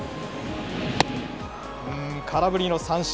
空振りの三振。